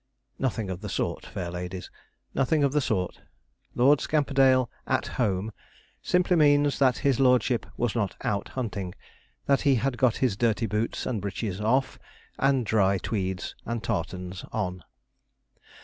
Nothing of the sort, fair ladies nothing of the sort. Lord Scamperdale 'at home' simply means that his lordship was not out hunting, that he had got his dirty boots and breeches off, and dry tweeds and tartans on.